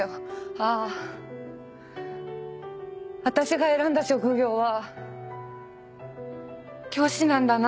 「あぁ私が選んだ職業は教師なんだな」